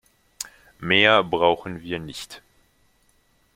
Mehr brauchen wir nicht.